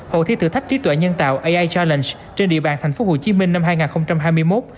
hội thi thử thách trí tuệ nhân tạo ai trên địa bàn tp hcm năm hai nghìn hai mươi một